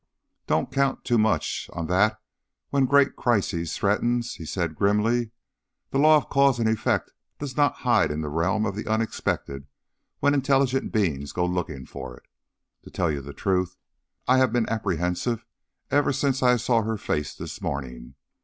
"Don't count too much on that when great crises threaten," he said grimly. "The law of cause and effect does not hide in the realm of the unexpected when intelligent beings go looking for it. To tell you the truth, I have been apprehensive ever since I saw her face this morning.